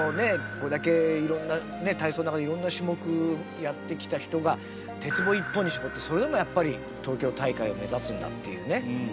これだけいろんな体操の中でいろんな種目やってきた人が鉄棒一本に絞ってそれでもやっぱり東京大会を目指すんだっていうね。